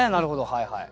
はいはい。